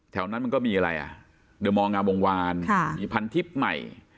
แถวนั้นมันก็มีอะไรเดี๋ยวมองงามวงวานมีพันทิพย์ใหม่